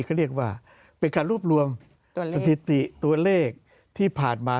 เขาเรียกว่าเป็นการรวบรวมสถิติตัวเลขที่ผ่านมา